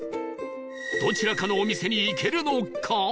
どちらかのお店に行けるのか？